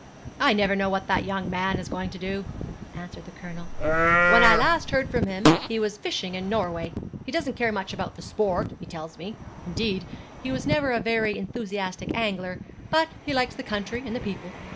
'I never know what that young man is going to do,' answered the Colonel. 'When last I heard from him he was fishing in Norway. He doesn't care much about the sport, he tells me; indeed, he was never a very enthusiastic angler; but he likes the country and the people.